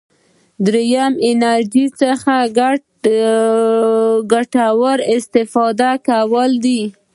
دریم له انرژي څخه ګټوره استفاده کول دي.